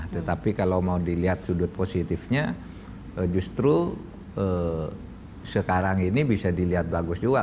tetapi kalau mau dilihat sudut positifnya justru sekarang ini bisa dilihat bagus juga